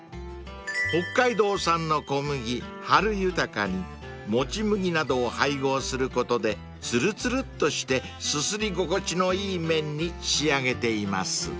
［北海道産の小麦はるゆたかにもち麦などを配合することでつるつるっとしてすすり心地のいい麺に仕上げています］